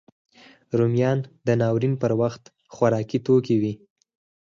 رومیان د ناورین پر وخت خوارکي توکی وي